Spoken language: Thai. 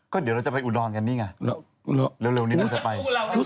ก็เดี๋ยวเราจะไปอุดรธานีไงเร็วนิดหนึ่งผมจะไป